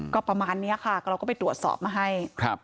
ก็ประมาณนี้ค่ะเราก็ไปตรวจสอบมาให้